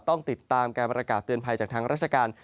ต้องติดตามการประกาศเตือนภัยจากทางราชการ